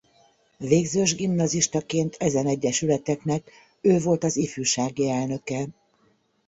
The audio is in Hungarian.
Végzős gimnazistaként ezen egyesületeknek ő volt az ifjúsági elnöke.